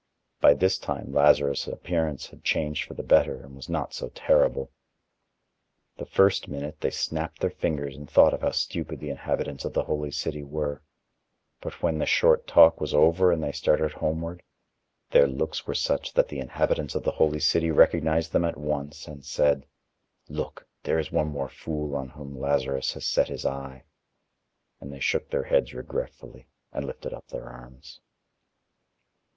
By this time Lazarus' appearance had changed for the better and was not so terrible. The first minute they snapped their fingers and thought of how stupid the inhabitants of the holy city were; but when the short talk was over and they started homeward, their looks were such that the inhabitants of the holy city recognized them at once and said: "Look, there is one more fool on whom Lazarus has set his eye," and they shook their heads regretfully, and lifted up their arms.